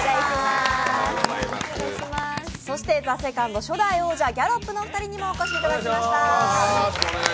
そして「ＴＨＥＳＥＣＯＮＤ」初代王者ギャロップのお二人にもお越しいただきました。